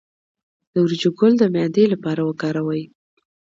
د وریجو ګل د معدې لپاره وکاروئ